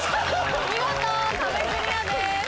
見事壁クリアです。